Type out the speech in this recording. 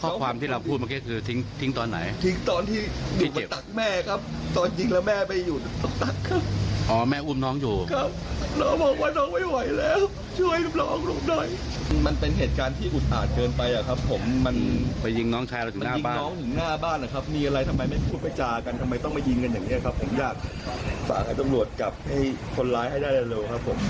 ทำไมไม่พูดไปจากันทำไมต้องมายิงกันอย่างนี้ครับผมอยากฝากให้ตำรวจกลับให้คนร้ายให้ได้เร็วครับผม